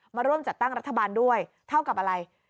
มาร่วมจัดตั้งรัฐบาลด้วยเท่ากับอะไร